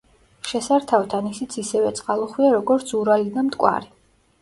შესართავთან ისიც ისევე წყალუხვია, როგორც ურალი და მტკვარი.